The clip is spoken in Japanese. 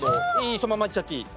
そのままいっちゃっていい。